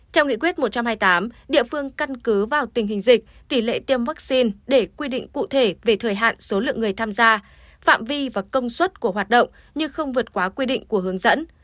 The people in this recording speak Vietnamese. theo nghị quyết một trăm hai mươi tám địa phương căn cứ vào tình hình dịch tỷ lệ tiêm vaccine để quy định cụ thể về thời hạn số lượng người tham gia phạm vi và công suất của hoạt động nhưng không vượt quá quy định của hướng dẫn